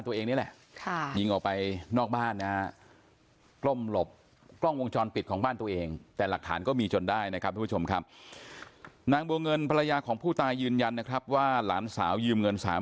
ว่าหลานสาวจะยืมเงิน